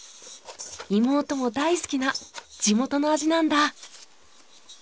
妹も大好きな地元の味なんだ。